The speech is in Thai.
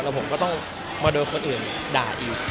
ผมก็ต้องมาโดนคนอื่นด่าอีก